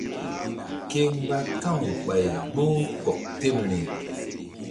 Ke mgba ka̧w ɓay gboh kɔk temri.